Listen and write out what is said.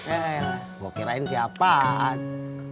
eh gue kirain siapaan